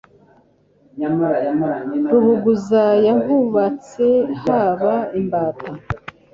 Rubuguza yahubatse Haba imbata.